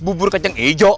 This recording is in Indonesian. bubur kecang ijo